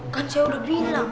kan saya udah bilang